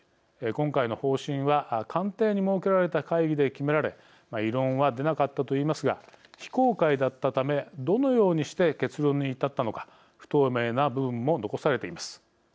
今回の方針は官邸に設けられた会議で決められ異論は出なかったと言いますが非公開だったためどのようにして結論に至ったのか不透明な部分も残されています。